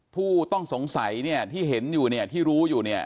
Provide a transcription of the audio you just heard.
ผู้ต้องสงสัยที่เห็นอยู่ที่รู้อยู่